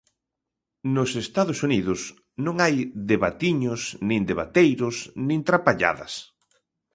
Nos Estados Unidos non hai debatiños nin debateiros nin trapalladas.